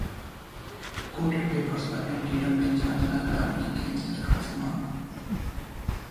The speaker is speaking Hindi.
कोटेड पेपर्स पर एंटी डंपिंग चार्ज न लगाने की केंद्र सरकार से मांग